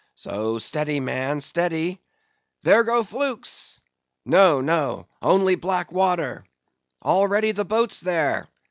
So; steady, man, steady! There go flukes! No, no; only black water! All ready the boats there?